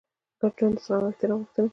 ګډ ژوند د زغم او احترام غوښتنه کوي.